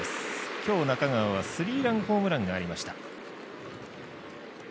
今日、中川はスリーランホームランがありました。